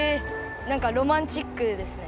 なんかロマンチックですね。